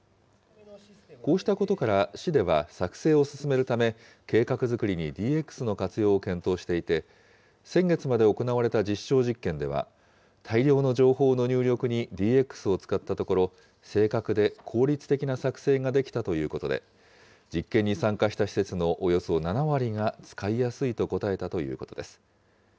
こうしたことから、市では作成を進めるため、計画作りにＤＸの活用を検討していて、先月まで行われた実証実験では、大量の情報の入力にＤＸを使ったところ、正確で効率的な作成ができたということで、実験に参加した施設のおよそ７割が使いやすいと答えたということです。